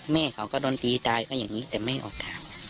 แม่เขาก็โดนตีตายก็อย่างนี้แต่ไม่ออกทาง